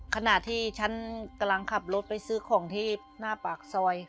ขณะที่ฉันกำลังขับรถไปซื้อของที่หน้าปากซอย